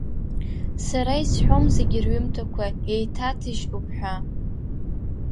Сара исҳәом зегьы рҩымҭақәа еиҭаҭыжьтәуп ҳәа.